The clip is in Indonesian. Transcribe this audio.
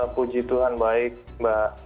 puji tuhan baik mbak